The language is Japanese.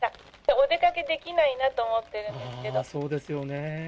お出かけできないなと思ってるんですけど。